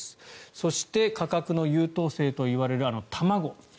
そして価格の優等生といわれる卵。